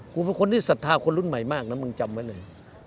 เป็นคนที่ศรัทธาคนรุ่นใหม่มากนะมึงจำไว้เลย